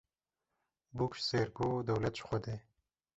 Bûk ji sêrgo dewlet ji Xwedê